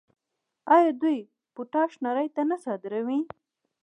آیا دوی پوټاش نړۍ ته نه صادروي؟